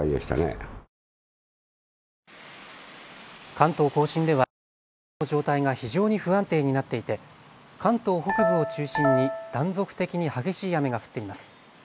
関東甲信では大気の状態が非常に不安定になっていて関東北部を中心に断続的に激しい雨が降っています。